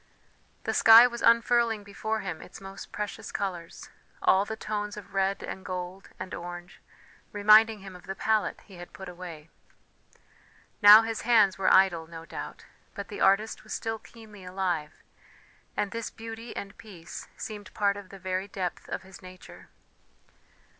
The sky was unfurling before him its most precious colours, all the tones of red and gold and orange, reminding him of the palette he had put away. Now his hands were idle, no doubt, but the artist was still keenly alive, and this beauty and peace seemed part of the very depth of his nature.